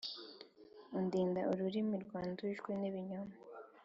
undinda ururimi rwandujwe n’ibinyoma,